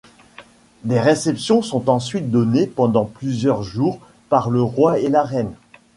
Des réceptions sont ensuite données pendant plusieurs jours par le roi et la reine.